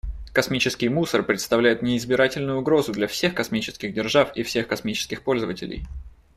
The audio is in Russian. Космический мусор представляет неизбирательную угрозу для всех космических держав и всех космических пользователей.